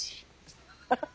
ハハッハ。